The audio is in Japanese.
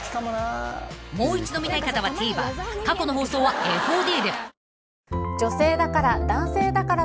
［もう一度見たい方はＴＶｅｒ過去の放送はＦＯＤで］